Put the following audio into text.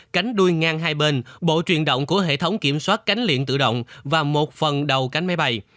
cánh đuôi ngang hai bên bộ truyền động của hệ thống kiểm soát cánh điện tự động và một phần đầu cánh máy bay